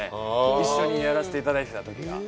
一緒にやらせていただいてたときが。